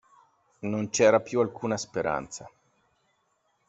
Non c'era più alcuna speranza.